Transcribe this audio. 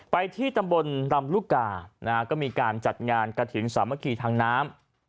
ไปที่ตำบลลำลูกกานะฮะก็มีการจัดงานกระถิ่นสามัคคีทางน้ำ